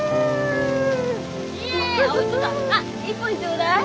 あっ１本ちょうだい。